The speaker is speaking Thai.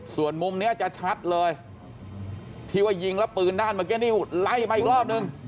ส่วนมุมนี้จะชัดเลยที่ว่ายิงแล้วปืนด้านเมื่อกี้นิ้วไล่มาอีกรอบนึง